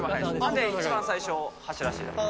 なので最初走らせていただきました。